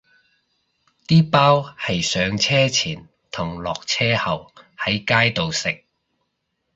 啲包係上車前同落車後喺街度食